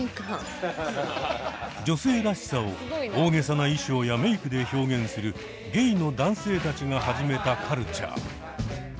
女性らしさを大げさな衣装やメイクで表現するゲイの男性たちが始めたカルチャー。